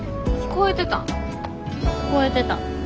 聞こえてた。